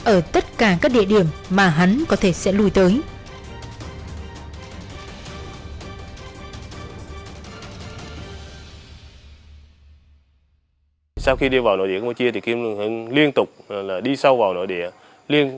ở tất cả các địa điểm mà hắn có thể sẽ lùi tới